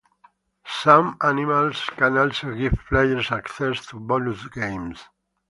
Some animals can also give players access to bonus games.